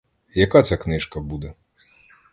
Яка ця книжка буде?